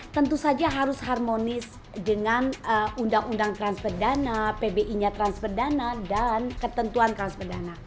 tentu saja harus harmonis dengan undang undang trans perdana pbi nya trans perdana dan ketentuan trans perdana